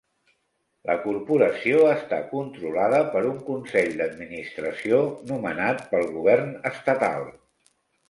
La corporació està controlada per un consell d'administració nomenat pel govern estatal.